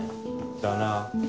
だな。